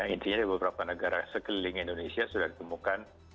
intinya di beberapa negara sekeliling indonesia sudah ditemukan